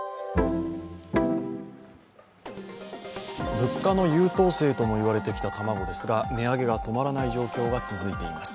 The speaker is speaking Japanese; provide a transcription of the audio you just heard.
物価の優等生ともいわれてきた卵ですが値上げが止まらない状況が続いています。